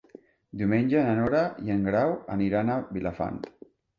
Diumenge na Nora i en Grau aniran a Vilafant.